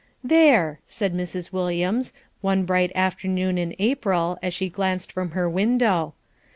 "There!" said Mrs. Williams, one bright afternoon in April, as she glanced from her window.